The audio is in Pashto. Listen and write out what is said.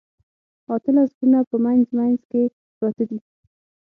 اتلس غرونه په منځ منځ کې پراته دي.